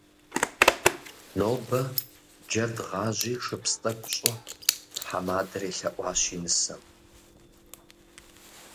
Нобэ джэд гъажьи шыпс тӏэкӏу щӏы, - тхьэмадэр елъэӏуащ и нысэм.